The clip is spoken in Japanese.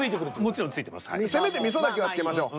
せめて味噌だけは付けましょう。